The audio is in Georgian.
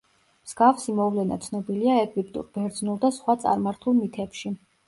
მსგავსი მოვლენა ცნობილია ეგვიპტურ, ბერძნულ და სხვა წარმართულ მითებში.